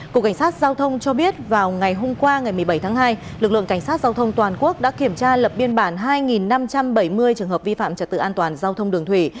cục cảnh sát giao thông cho biết vào ngày hôm qua ngày một mươi bảy tháng hai lực lượng cảnh sát giao thông toàn quốc đã kiểm tra lập biên bản hai năm trăm bảy mươi trường hợp vi phạm trật tự an toàn giao thông đường thủy